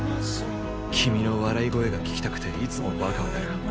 君の笑い声が聞きたくていつもバカをやる。